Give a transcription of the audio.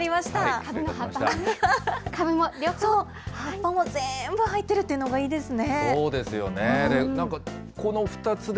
かぶも葉も両方全部入っているというのがいいですね。